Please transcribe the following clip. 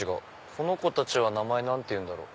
この子たちは名前何ていうんだろう？